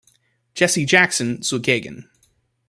Jesse Jackson zugegen.